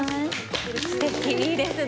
すてきいいですね。